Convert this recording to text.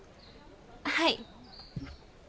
はい。